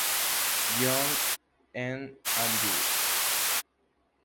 John N. Andrews.